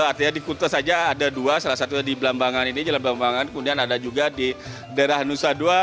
artinya di kuta saja ada dua salah satunya di belambangan ini jalan belambangan kemudian ada juga di daerah nusa dua